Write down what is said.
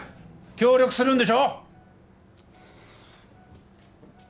協力するんでしょ